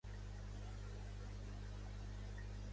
L'institut New Palestine és, probablement, el centre de la ciutat.